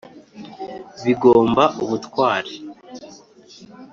bigomba ubutwari !